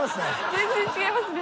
全然違いますね。